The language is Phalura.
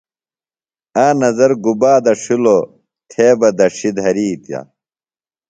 آ نظر گُبا دڇھلوۡ تھے بہ دڇھی دھرِیتہ۔